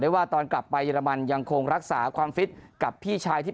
ว่าตอนกลับไปเยอรมันยังคงรักษาความฟิตกับพี่ชายที่